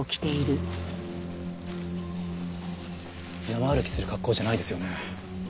山歩きする格好じゃないですよね。